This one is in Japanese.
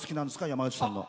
山内さんの。